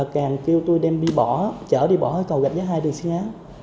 càng kêu tôi đem đi bỏ chở đi bỏ cầu gạch giá hai đường xuyên á